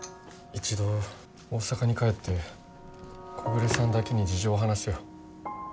一度大阪に帰って木暮さんだけに事情を話すよ。